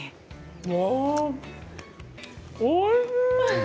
うわあ、おいしい。